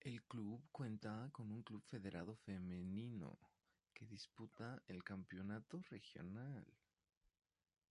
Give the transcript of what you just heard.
El club cuenta con un club federado femenino, que disputa el campeonato regional.